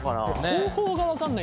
方法が分かんない。